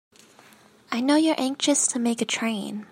I know you're anxious to make a train.